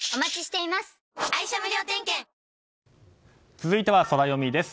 続いてはソラよみです。